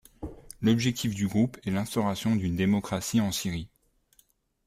L'objectif du groupe est l'instauration d'une démocratie en Syrie.